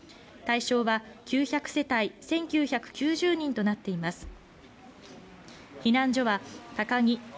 対象は９００世帯、１９９０人となっています。